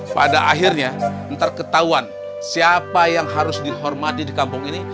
pada akhirnya enter ketahuan siapa yang harus dihormati di kampung ini